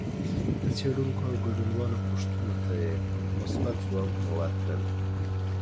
د څېړونکو او ګډونوالو پوښتنو ته یې مثبت ځوابونه ورکړل